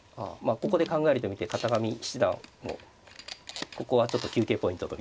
ここで考えると見て片上七段もここはちょっと休憩ポイントと見て一息。